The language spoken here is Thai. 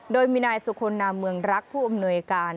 โดยมีนายสุคลนามเมืองรักผู้อำนวยการ